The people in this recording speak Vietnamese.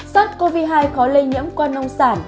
sars cov hai có lây nhiễm qua nồng độ c